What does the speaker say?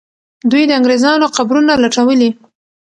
دوی د انګریزانو قبرونه لټولې.